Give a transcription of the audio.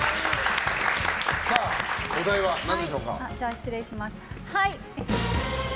お題は何でしょうか？